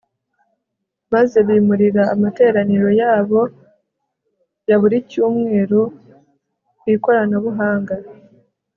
maze bimurira amateraniro yabo ya buri cyumweru ku ikoranabuhanga